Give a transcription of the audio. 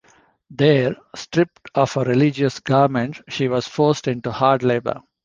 There, stripped of her religious garments, she was forced into hard labor.